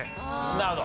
なるほど。